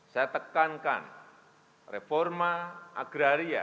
saya tekankan reforma agraria